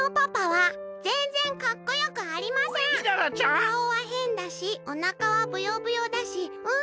「かおはへんだしおなかはブヨブヨだしうん